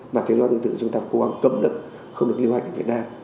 mà thuốc lá điện tử chúng ta cố gắng cấm lực không được lưu hành ở việt nam